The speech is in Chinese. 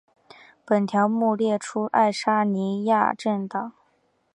本条目列出爱沙尼亚政党。